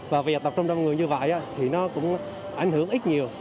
và việc tập trung đông người như vậy thì nó cũng ảnh hưởng ít nhiều